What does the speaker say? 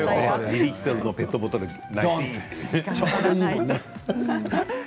２リットルのペットボトルをね。